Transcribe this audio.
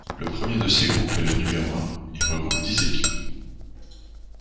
Le premier de ces groupes, est le numéro I, est regroupe dix équipes.